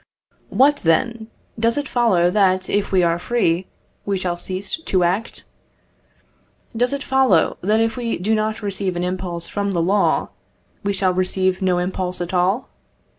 What then? Does it follow that, if we are free, we shall cease to act? Does it follow, that if we do not receive an impulse from the law, we shall receive no impulse at all?